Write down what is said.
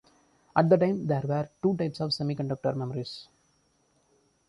At the time, there were two types of semiconductor memories.